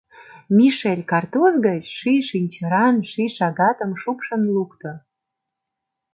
— Мишель картуз гыч ший шинчыран ший шагатым шупшын лукто.